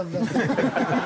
ハハハハ！